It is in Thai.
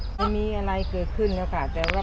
ไม่มีอะไรเกิดขึ้นแล้วค่ะ